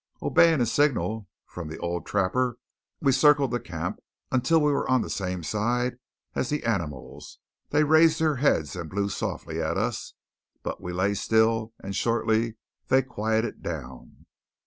Obeying a signal from the old trapper, we circled the camp until we were on the same side as the animals. They raised their heads and blew softly at us; but we lay still, and shortly they quieted down.